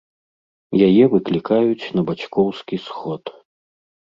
Яе выклікаюць на бацькоўскі сход.